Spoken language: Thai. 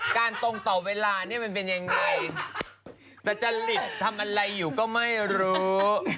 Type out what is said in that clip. ตรงต่อเวลานี่มันเป็นยังไงแต่จริตทำอะไรอยู่ก็ไม่รู้